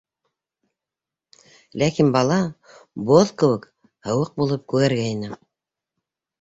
Ләкин бала боҙ кеүек һыуыҡ булып күгәргәйне.